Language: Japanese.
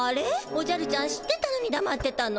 おじゃるちゃん知ってたのにだまってたの？